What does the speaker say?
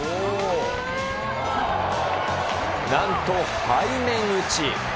なんと背面打ち。